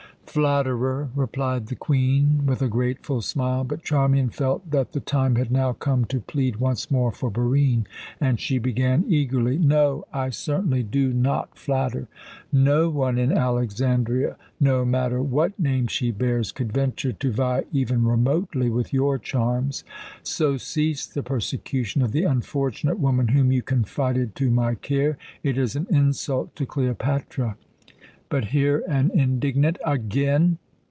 "Flatterer!" replied the Queen with a grateful smile. But Charmian felt that the time had now come to plead once more for Barine, and she began eagerly: "No, I certainly do not flatter. No one in Alexandria, no matter what name she bears, could venture to vie even remotely with your charms. So cease the persecution of the unfortunate woman whom you confided to my care. It is an insult to Cleopatra " But here an indignant "Again!"